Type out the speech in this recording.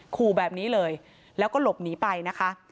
ขู่แบบนี้เลยแล้วก็หลบหนีไปนะคะ